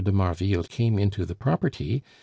de Marville came into the property, M.